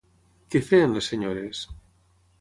Què feien les senyores?